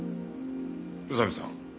宇佐見さん